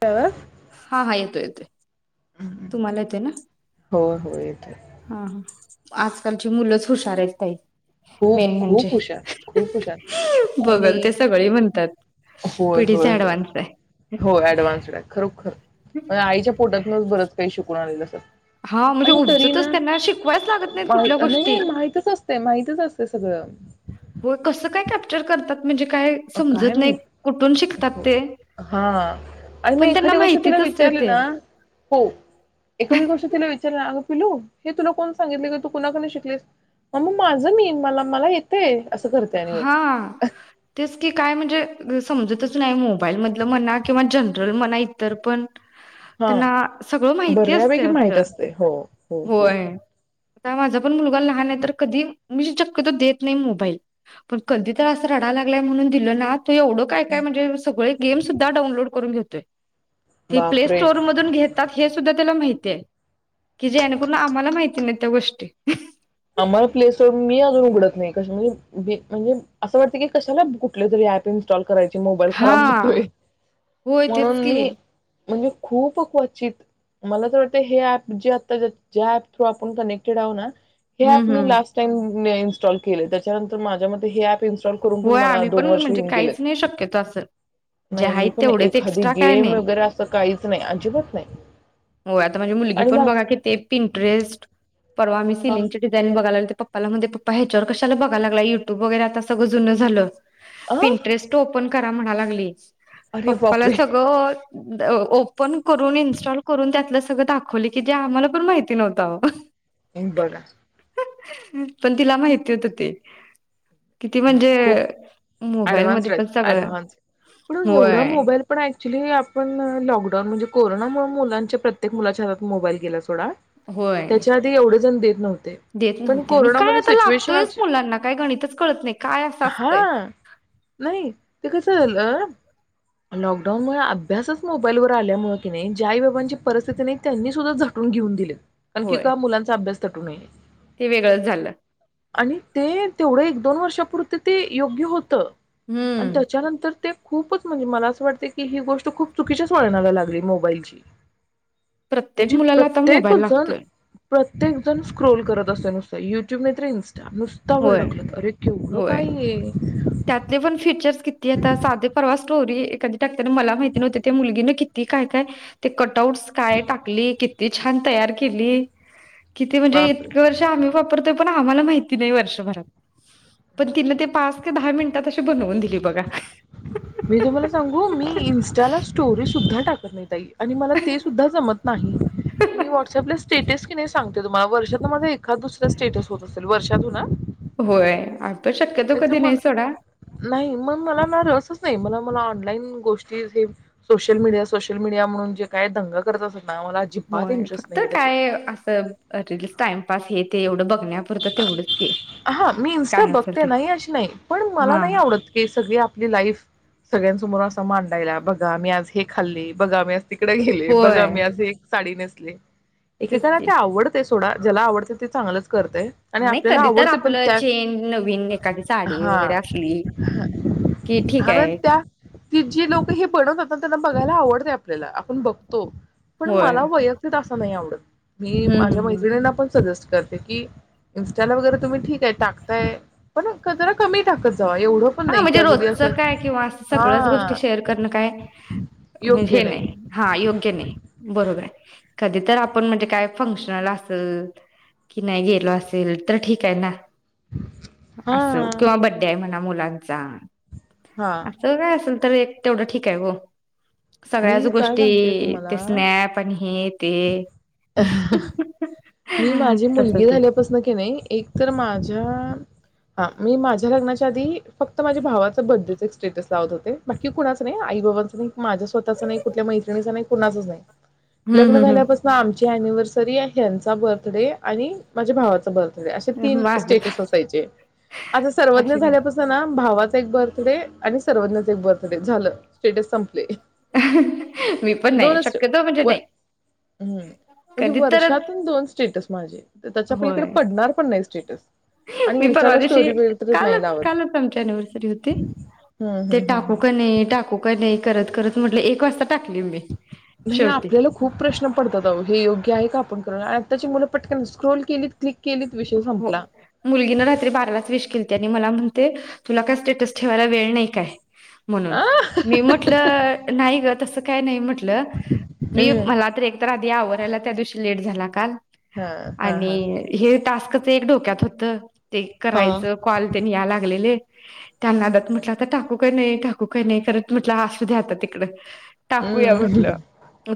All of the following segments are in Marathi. ह [unintelligible] हा हा येतोय येतोय. तुम्हाला येत ना होय, होय येतोय. हा हा. आजकालची मुलंच हुशार आईत ताई. खूप मेन म्हणजे खूप हुशार खूप हुशार आणि बघल ते सगळे म्हणतात होय होय पिढीचे होय ऍडव्हान्स आहे हो ऍडवान्सड आहे खरोखर. म आईच्या पोटातूनच बरंच काही शिकू नाही ना सर हा म्हणजे आणि तरी उपजतच ना त्यांना शिकवायच लागत नाहीत माही कुठल्या नही गोष्टी नही माहितच असते माहतीच असते. ते सगळं हो कस काय कॅप्चर करतात. म्हणजे काय काय समजत नाही कुठून माहित शिकतात ते हा आणि मी पण त्यांना एखादी गोष्ट तिला माहितीच असते विचारली ते ना हो एखादी गोष्ट तिला विचारलं ना अग पिलू हे तुला कोण सांगितले का तू कुणाकून शिकलेस मम्मा माझं मी मला मला येतेय. हा तेच की काय म्हणजे समजतच नाही मोबाईल मधलं म्हणा किंवा जनरल म्हणा इतर पण हां, त्यांना सगळं माहिती असते. बऱ्यापैकी माहीत असं असते. हो, हो, हो. होय आता माझा पण मुलगा लहान आहे तर कधी मी शक्यतो देत नाही मोबाईल पण कधी तर असं रडाला लागलाय म्हणून दिल ना तू एवढं काय काय म्हणजे सगळे गेम सुद्धा डाऊलोड करून घेतोय. ते प्ले बापरे! स्टोर मधून घेतात हे सुद्धा त्याला माहि की जेणेकरून आम्हाला माहिती नाही त्या गोष्टी. आम्हाला प्ले स्टोर मी अजून उघडत नाही कशाला बी म्हणजे असं वाटते की कशाला कुठले तरी आप इन्स्टॉल करायची मोबाईल खराब होतोय हा होय तेच म्हणून की मी म्हणजे खूप क्वचित मला तर वाटत हे ऍप जे आता ज्या ऍप थ्रू आपण कनेक्टेड आहो ना हे ॲप हम्म हम्म. लास्ट टाईम मी इन्स्टॉल केले त्याच्यानंतर माझ्या मते हे ऍप इन्स्टॉल करून पण होय मला आम्ही दोन वर्ष म्हणजे होऊन गेल्यात काहीच नाही शक्यतो असं. जे नाय आहेत मी पण तेवढेच एखादी एक्स्ट्रा काय गेम नाही. वगैरे असं काही नाही अजिबत नाही. होय आता माझी मुलगी आणि पण माझं बघा की ते पेट्रिस्ट परवा मी अ, सिलींग चे डिझाईन बघाय ला पप्पाला म्हणते पप्पा ह्याच्यावर कशाला बघाय लागलाय युट्यूब वगैरे आता सगळं जुनं झालं. आ? पिंटरेस्ट ओपन कर. म्हणाय लागली. अरे पप्पाला बापरे! सगळं ओपन करून इनस्टॉल करून त्यातलं सगळं दाखवली की जे आम्हाला पण माहिती नव्हत अहो. हंग बघा. पण तिला माहिती होत ते. किती नाही म्हणजे खूप ऍडव्हान्स मोबाईलमध्ये पण सगळं ऍडव्हान्स पण एवढा होय मोबाईल पण ऍक्च्युली आपण लॉकडाऊन लॉकडाऊन म्हणे कोरोनामुळे मुलाच्या प्रत्येक मुलाच्या हातात मोबाईल गेला सोडा. होय त्याच्या आधी एवढे जण देत नव्हते देत पण नव्हते आणि काय कोरोनामध्ये आता सिच्युएशन लागतोयच अशी मुलांना काय गणितच कळत नाही काय असं हा असतंय नाही ते कसं झालं. लॉकडाऊन मुळे अभ्यासच मोबाईलवर आल्यामुळे कि नाही ज्या बाबांची परिस्थिती नाही त्यांनी सुद्धा झटून घेऊन दिलेत. आणखी होय का मुलांचा अभ्यास तटू नये. ते वेगळंच झालं. आणि ते तेवढं एक दोन वर्षापुरत ते योग्य होतं. आणि हम्म, त्याच्यानंतर ते खूपच म्हणजे मला असं वाटत की, ही गोष्ट खूप चुकीच्याच वळणाला लागली मोबाईलची. प्रत्येक म्हणजे मुलाला आता प्रत्येक मोबाईल जण लागतोय. प्रत्येक जण स्क्रोल करत असतोय नुसत युट्यूब नाही तर इनस्ट नुसता वर होय, डकलता. केवढं होय. काय ये. त्यातले पण फीचर्स किती आता साधे परवा स्टोरी एखादी टाकतना मला माहिती नव्हत त्या मुलगीने किती काय काय ते कट आउटस काय टाकली किती छान तयार केली. किती म्हणजे बापरे. इतक वर्ष आम्ही वापरतोय. पण आम्हाला माहिति नाही वर्षभरात पण तिनं ते पा दहा मिनिटात अशी बनवून दिली बघा. मी तुम्हाला सांगू मी इन्स्टाला स्टोरी सुद्धा टाकत नाही. आणि मला ते सुद्धा जमत नाही. मी व्हॉट्सअपला स्टेटस कि नाही सांगते त मा वर्षात मध्ये का दुसरा स्टेटस होत असेल वर्षातून हा. होय, आपण शक्यतो नाही तर कधी मला सोडा. नाही मग मला ना रसच नाही मला. मला ऑनलाईन गोष्टी सोशल मीडिया सोशल मीडिया म्हणून जे काय दंगा करत अस. होय फक्त काय अस रील्स टाइमपास हे ते एवढं बघण्यात हा मी इन्स्टा असेल बघते ते. नाही अशी नाही पण हा मला नाही आवडत. सगळी आपली लाईफ सगळ्यांसमोर असा मांडायला बघा मी आज हे खाल्ले बघा मी आज तिकडे गेले बघा होय मी असे साडी नेसले. तेच एकेकाना की ते आवडतय थोडा जेला आवडत ते चांगलच. आ, आणि नाही आपल्याला कधी तर आवडते पण आपलं त्या चेन नवीन एखादी साडी हा वगैरे असली की ठीक आहे त्या जी लोक हे पडत बघायला आवडतय आपल्याला आपण बघतो. पण होय मला वैयक्तिक असं नाही आवडत. मी हम्म माझ्या हम्म हम्म. मैत्रिणींना पण सजेस्ट करते की इन्स्टाला वगैरे तुम्ही ठीक आहे टाकताय पण जरा कमी टाकत जा हा म्हणजे रोजचं काय किंवा असं सगळंच गोष्टी हा शेअर करणं काय म्हणजे हे नाही हा योग्य नाही बरोबर आहे. कधी तर आपण म्हणजे काय फंक्शनला असल की नाही गेलो असेल तर ठीक आहे ना. हा अस किंवा बड्डे आहे म्हणा. मुला चा हा अस काय अस तर एक तेवढं ठीक आहे ओ सगळ्याच मी काय गोष्टी सांगते ते तुम्हाला स्नॅप आणि हे ते. मी माझी तस मुलगी ते झाल्यापासन की नाही. एक तर माझ्या हा मी माझ्या लग्नाच्या आधी फक्त माझ्या भावाच बड्डेच एक स्टेटस लावत होते बाकी कुणाच नाही आई बाबांच नाही माझ्या स्वतःच नाही कुठल्या मैत्रिणीच नाही कुणाचच नाही. हम्म लग्न हम्म झाल्यापासून आमची एनिवर सरी आहे आज चा बर्थडे आणि माझ्या भावाचा बर असे हम्म तीन माझ स्टेट असायचे आता सर्वज्ञ असे नाही. झाल्यापासन ना. भावाचा एक बर्थडे आणि सर्वज्ञच एक बर्थडे झालं स्टेटस संपले. मी पण नाही दोनच शक्यतो म्हणजे व नाही हम्म म्हणजे कधी तर. वर्षातून दोन स्टेटस माझे. त्याच्या होय, पलीकडे पडणार पण नाही स्टेटस आणि मी परवा इन्स्टाला दिवशी स्टोरी वगैरेच नाही कालच लावत. कालच आमची अनिव्हर्सरी होती, हम्म ते हम्म हम्म टाकू हम्म. का नाही टाकू का नाही करत करत म्हटलं एक वाज नाही आपल्याला खूप प्रश्न पडतात. अहो हे योग्य आहे. का आपण कर त्याची मुलं पटकन स्क्रोल केली. क्लिक केलीत विषय हो संपला. मुलगीने रात्री बारालाच विश केलीती आणि मला म्हण ते तुला काय स्टेटस ठेवायला वेळ नाही काय? म्हणून आ मी म्हटलं नाही ग तस काय नाही म्हटल म्हटलं मी हम्म मला एक तर ते आवरायला त्या दिवशी लेट झाला काल हा हा हा आणि हे टास्कचं एक डोक्यात होतं. ते हा. करायचं कॉल त्यांनी या लागलेले त्या नादात म्हटलं आता टाकू का नाही, टाकू का नाही करत म्हटलं आसू द्या आता तिकडं, टाकूया हम्म म्हटलं,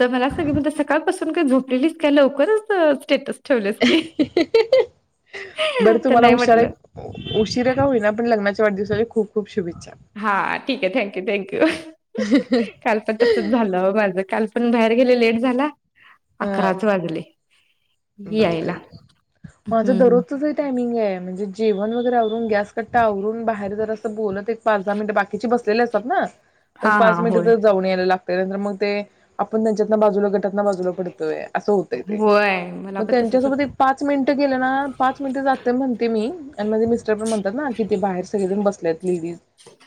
तर मला असं की सकाळपासून पासुन झोपलेलीस काय लवकरच स्टेटस टेवलीयास की, बरं तर तुम्हाला नाही उशरा म्हटलं उशिर का होईना, पण लग्नाच्या वाढदिवसाच्या खुप खुप हा ठीक आहे. थँक्यू थँक्यू काल पण तसच झालं माझ काल पण बाहेर गेले लेट झाला. हा अकराच वाजले. बापरे! यायला माझं हम्म दररोजच हे टायमिंग आहे म्हणजे जेवण वगैरेवरून, गॅस कट्टा आवरून बाहेर जरासं बोलत एक पाच दहा मिनिट बाकीचे बसलेले असतात ना, मग एक हा हा पाच मिनिट होय जाऊन यायला लागत, त्यानंतर मग ते आपण त्यांच्यात ना बाजूला गटातना बाजूला पडतोय असं होतय ते, होय मला मग पण तसच त्यांच्यासोबत होत एक पाच मिनिटं गेलं ना, पाच मिनिटं जाते म्हणते मी आणि माझे मिस्टरपण म्हणतात ना, कि ते बार सगळेजण बस बसलेत म्हणून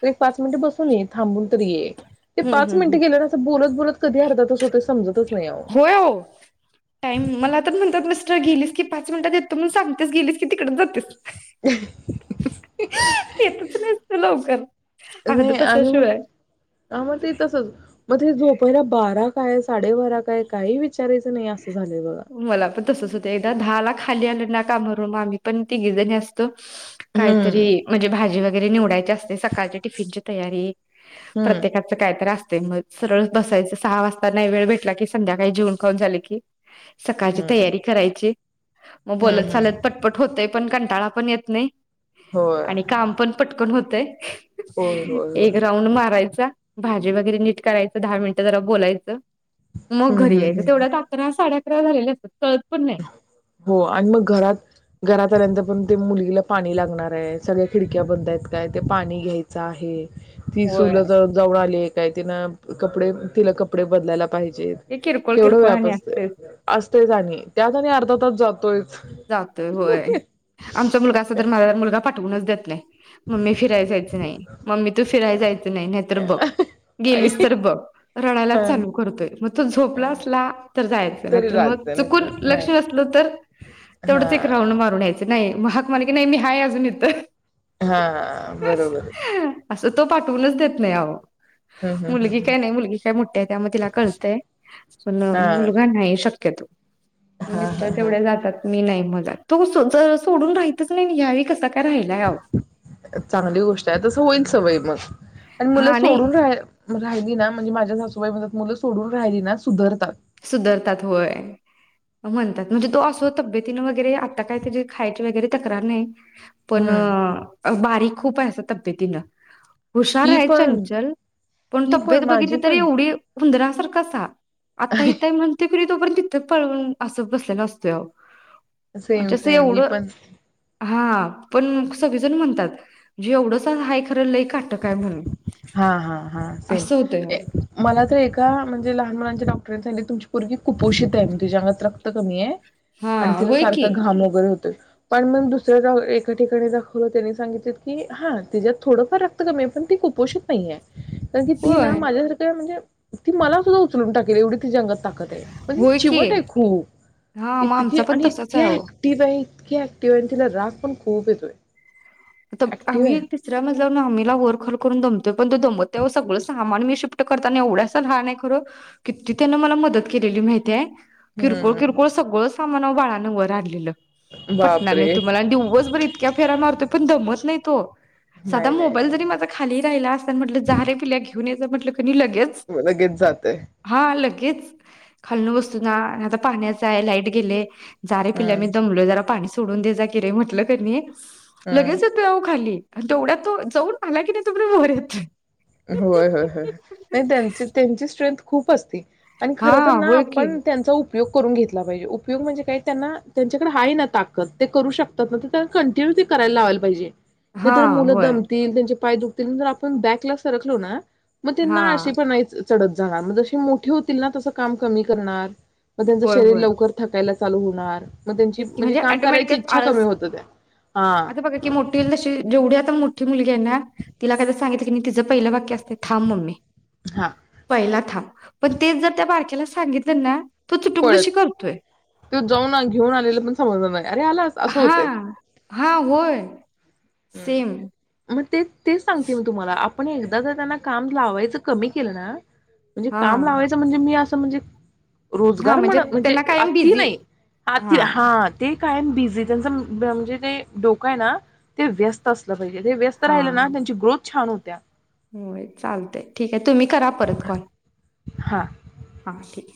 ते पाच मिनिट बसतो. थांबून तरी ये ते हम्म पाच हम् मिनिट गेले ना असं बोलत बोलत कधी अर्धा तास होतंय समजतच नाही अहो हो, टाईम मला म्हणतात मिस्टर गेली की पाच मिनटात येतो म्हणून सांगतेस गेलीस की तिकडे जातेस. येतच नाहीस तू लवकर अर्ध नाही आणि मग तासाशिवाय मग ते तसच मग ते झोप पहिला बारा काय साडे बारा काय काही वि मला पण तसच होतं एकदा दहा ला खाली आलेना. काम आवरुन आम्ही पण तिघीजणी असतो. काहीतरी हम्म म्हणजे भाजी वगैरे वगैरे निवडायचे असते, सकाळच्या टिफिनची तयारी हम्म प्रत्येकाच काय तर असतय मग सरळ बसायचं सहा वाजताना नाही वेळ भेटला की संध्याकाळी जेऊन खाऊन झाले की, की सकाळची हम्म तयारी करायची. मग बोलत हम्म चालत हम्म पटपट होतंय पण [unintelligible] पण येत नाही. होय आणि काम पण पटकन होत. होय [unintelligible] होय होय एक राऊंड मारायचा भाजी वगैरे नीट करायचं दहा मिनिटं जरा बोलायचं. मग हम्म घरी हम्म यायचं हम्म तेवढ्यात साडे अकरा झाले असतात कळत पण नाही. हो आणि मग घरात घरात आल्यांतर पण ते मुलगीला पाणी लागणार आहे, सगळ्या खिडक्या बंद आहेत का, ते पाणी घ्यायच आहे. ती सु होय. ला जाऊन आली काय ति कपडे तिला कपडे बदलायला, पाहिजे ते किरकोळ केवढा किरकोळ व्याप आणि असतोय, असतेच असतोय आणि आणि अर्धा तास जातोय. जातोय होय, आमचा मुलगा असत तर [unintelligible] पाठवूनच देत नाही. मम्मी फिरायला जायचं नाही, मम्मी तू फिरायला जायच नाही, नाहीतर बघ आई गेलीस तर बघ रडायलाच हा चालू करतोय, मग तो झोपला असला तर जायच तरी नाहीतर मग राज्य चुकून लक्ष नाही नसल तर हा तेवढंच एक राऊंड मारून यायचा. नाही, मग हाक मारली की नाही मी हाय अजून इथं. हा बरोबर असं तो पाठवूनच देत नाही आओ हम्म हम्म मुलगी हम्म काय नाही मुलगी काय मोठी आहे त्यामुळे तिला कळतंय पण हा मुलगा नाही क्यतो हा हा मित्र हा तेवढे जातात मी नाही म तो सोडून राहीतच नाही या वेळी कसा काय राहिलाय अहो चांगली गोष्ट आहे तस होईल सवय मग आणि मुलं हा नाही सोडून राहा राहिली ना म्हणजे माझ्या सासूबाई म मुलं सोडून राहिली ना सुधरतात सुधरतात होय म्हणतात म्हणजे तो असं तब्येतीनं वगैरे आता काय त्या खायची वगैरे तक्रार नाही. पण हम्म बारीक खूप आहे तब्येतीनं हुशार ही आहे पण चंचल पण ही तब्येत बघितली माझी पण तेवढी हूनदरा र कसा आता हितय मग प्रीत तोपर्यंत तिथं पळून असा बसलेला असतोय आओ सेम, सेम हि पण हा पण सगळीजण म्हणतात ज एवढंच आहे खरं लई काटक हाय म्हणून. हा, हा, हा सेम असं होतंय अहो. मला तर एका म्हणजे लहान मुलांच्या डॉक्टांनी सांगतले तुमची मुलगी कुपोषित आहे तिच्याअंगात रक्त कमी आहे हा आणि तिला होय की सारखा घाम वगैरे होतय पण मग दुसऱ्या एका ठिकाणी दाखवलं त्यांनी सांगितले की हा तिच्यात थोडं फार कमी पण ती कुपोषित नाहीेया कारण की ती ना होय माझ्यासारखं म्हणजे ती मला सुद्धा उचलून टाकेल एवढी ती अंगात ताकदे पण होय की चिवट ये खूप हा मग इतके आमचा पण ऍक्टिव्ह तसाच इतकीे आहे अहो. ऍक्टिव्ह आहे आणि तिला राग पण खूप येतोय आहे. आ ऍक्टिव्ह आम्ही एक तिसऱ्या मज आम्हीला वर खाली करून दम प तो दमत नाही सगळं सामान मी शिफ्ट करताना एवढा सा लहान आहे खरं किती त्यांन मला मदत केलेली माहिती आहे किरकोळ किरकोळ हम्म सगळंच सामान आओ बाळान वर आणलेलं पटणार नाही बापरे तुम्हाला दिवसभर इतक्या फेरा मारतो दमत नाही तो साध नाही नाही मोबाईल जरी माझा खाली राहिला आसन म्हटलं जा रे पिल्या घेऊन ये जा म्हटल. कणी लगेच नाही लगेच जातय हा लगे च खालन वस्तू ना नाहीतर पाण्याच आहे लाईट गेले. जा रे पिल्या हम्म मी दमलोय जरा पाणी सोडून दे जा किरे म्हटलं कणी हम्म लगेच येतोय आहों खाली. तेवढ्यात तो जाऊन आला की नाही तो पर्यंत वर येतोय. होय होय होय नाही त्यांची-त्यांची स्ट्रेंथ खूप असती. आणि हा खर तर ना होय की आपण त्यांच उप उपयोग करून घेतला पाहिजे, उपयोग म्हणजे काही त्यांना त्यांच्याकडे आहे ना ताकद ते करू शकतात, ना त्यांना कंटिन्यू ते करायला लावायला पाहिजे. नाही हा तर मुलं होय दमतील पाय दुखतील नाही तर आपण बॅकलाच सरकलो ना. मग त्यांना हा आळशी पणा यायचं. चढत जाणार म जशी मोठी होतील ना तस काम कमी करणार. म त्यांचं होय शरीर होय लवकर थकायलाचं. चालू होणार. मग त्यांची तेच की म्हणजे काम करायची ऑटोमॅटिकच इच्छा कमी आळस होत त्या हा आता बघा की मोठी तशी जेवढी आता मोठी मोठी मुलगी आहे ना तिला काय तर सांगितल कणी तिचं पहिलं वाक्य असतय थांब मम्मे हा पहिला थांब. पण तेच जर त्या बारक्याला सा सांगितलं ना तो चुटुकदुशी पळत करतोय तो जाऊन घेऊन आलेल पण समजल नाही, अरे आलास असं हा होतय. हा होय सेम. तेच-तेच सांगते मी तुम्हाला आपण एकदा जर त्यांना काम लावायचं कमी केलं ना, म्हणजे हा काम लावायचं म्हणजे मी अस असं म्हणजे हा रोजगार म्हणत म्हणजे त्यांना कायम आती बिझी नाही हा ते कायम बिजी त्यांच म्हणजे ते डोकं आहे ना, ते व्यस्त असलं. व्यस्त हा राहिलं ना त्यांची ग्रोथ छान होते. त्या होय चालतय ठीक आहे. तुम्ही करा परत कॉल हा हा ठीक